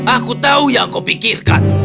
aku tahu yang kau pikirkan